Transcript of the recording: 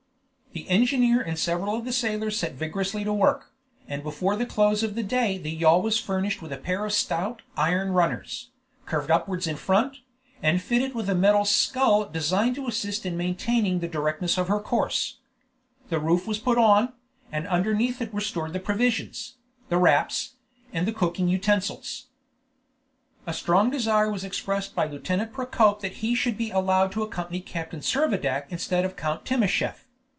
The engineer and several of the sailors set vigorously to work, and before the close of the day the yawl was furnished with a pair of stout iron runners, curved upwards in front, and fitted with a metal scull designed to assist in maintaining the directness of her course; the roof was put on, and beneath it were stored the provisions, the wraps, and the cooking utensils. A strong desire was expressed by Lieutenant Procope that he should be allowed to accompany Captain Servadac instead of Count Timascheff.